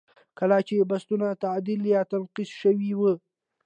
کله چې بستونه تعدیل یا تنقیض شوي وي.